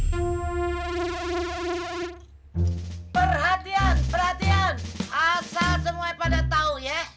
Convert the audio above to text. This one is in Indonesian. perhatian perhatian asal semua pada tau ye